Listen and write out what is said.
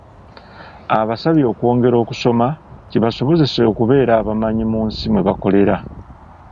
Abasabye okwongera okusoma, kibasobozese okubeera abamanyi mu nsi mwe bakolera.